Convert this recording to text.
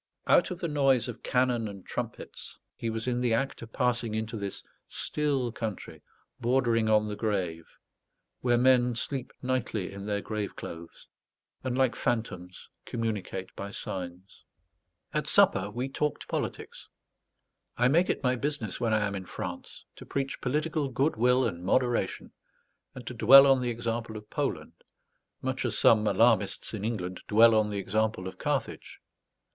Out of the noise of cannon and trumpets, he was in the act of passing into this still country bordering on the grave, where men sleep nightly in their grave clothes, and, like phantoms, communicate by signs. At supper we talked politics. I make it my business, when I am in France, to preach political good will and moderation, and to dwell on the example of Poland, much as some alarmists in England dwell on the example of Carthage.